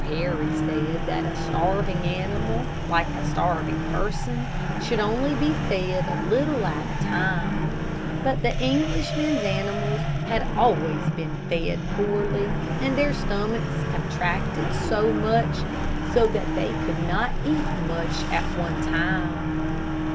Harry said that a starving animal, like a starving person, should only be fed a little at a time; but the Englishman's animals had always been fed poorly, and their stomachs had contracted so that they could not eat much at one time.